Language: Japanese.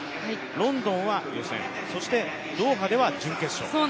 ロンドンは予選、そしてドーハでは準決勝。